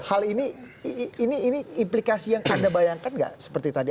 hal ini implikasi yang anda bayangkan nggak seperti tadi